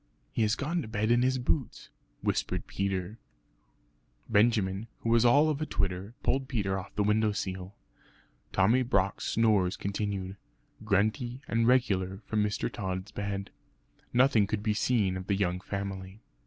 "He has gone to bed in his boots," whispered Peter. Benjamin, who was all of a twitter, pulled Peter off the window sill. Tommy Brock's snores continued, grunty and regular from Mr. Tod's bed. Nothing could be seen of the young family.